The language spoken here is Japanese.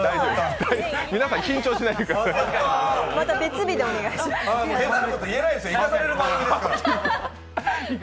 皆さん、緊張しないでください。